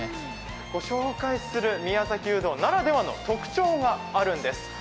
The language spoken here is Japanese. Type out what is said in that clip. ご紹介する宮崎うどんならではの特徴があるんです。